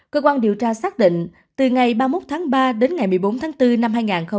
cơ quan điều tra xác định từ ngày ba mươi một tháng ba đến ngày một mươi bốn tháng bốn năm hai nghìn hai mươi